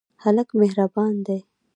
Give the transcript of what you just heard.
هلک مهربان دی.